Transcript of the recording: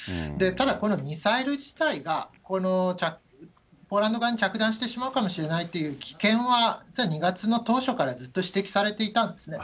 ただ、このミサイル自体がポーランド側に着弾してしまうかもしれないという危険は２月の当初からずっと指摘されていたんですね。